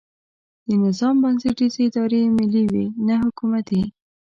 د نظام بنسټیزې ادارې ملي وي نه حکومتي.